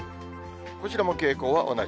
こちらも傾向は同じ。